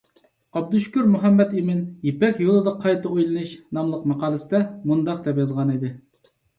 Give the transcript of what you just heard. ئابدۇشۈكۈر مۇھەممەتئىمىن «يىپەك يولىدا قايتا ئويلىنىش» ناملىق ماقالىسىدە مۇنداق دەپ يازغانىدى.